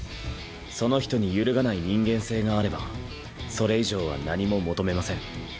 その人に揺るがない人間性があればそれ以上は何も求めません。